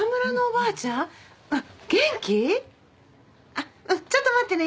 あっうんちょっと待ってね。